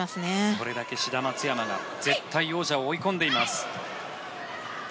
それだけ志田・松山が絶対王者を追い込んでいます。